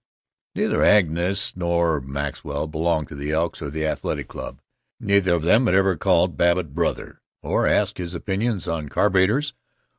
Neither Angus nor Maxwell belonged to the Elks or to the Athletic Club; neither of them had ever called Babbitt "brother" or asked his opinions on carburetors.